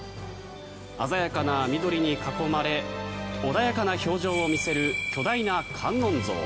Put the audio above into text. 鮮やかな緑に囲まれ穏やかな表情を見せる巨大な観音像。